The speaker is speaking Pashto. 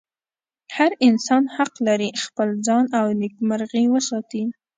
هر انسان حق لري خپل ځان او نېکمرغي وساتي.